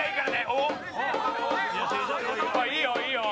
おっいいよいいよ！